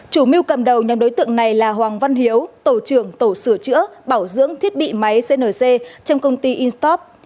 chủ mưu cầm đầu nhóm đối tượng này là hoàng văn hiếu tổ trưởng tổ bảo dưỡng thiết bị máy cnc trong công ty instop